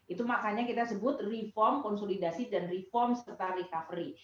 itu makanya kita sebut reform konsolidasi dan reform serta recovery